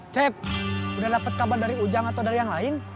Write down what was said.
cep udah dapat kabar dari ujang atau dari yang lain